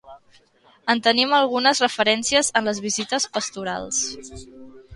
En tenim algunes referències en les visites pastorals.